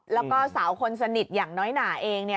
แล้วก็สาวคนสนิทอย่างน้อยหนาเอง